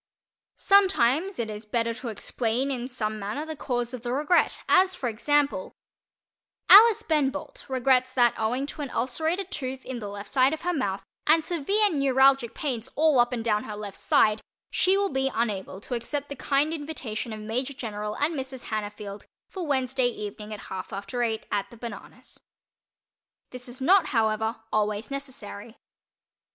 Sometimes it is better to explain in some manner the cause of the "regret," as for example: Alice Ben Bolt regrets that, owing to an ulcerated tooth in the left side of her mouth, and severe neuralgic pains all up and down her left side, she will be unable to accept the kind invitation of Major General and Mrs. Hannafield for Wednesday evening at half after eight, at "The Bananas." This is not, however, always necessary.